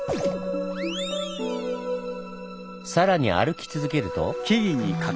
さらに歩き続けると。